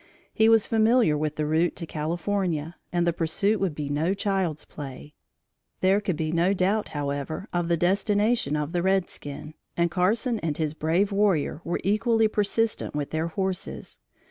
He was familiar with the route to California and the pursuit would be no child's play. There could be no doubt, however, of the destination of the redskin, and Carson and his brave warrior were equally persistent with their horses.